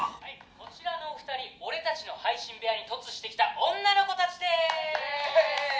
「こちらのお２人俺たちの配信部屋に凸してきた女の子たちです」